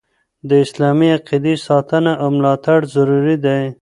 د اسلامي عقیدي ساتنه او ملاتړ ضروري دي.